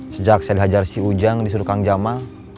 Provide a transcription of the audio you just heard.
sejak saya dihajar si ujang disuruh kang jamal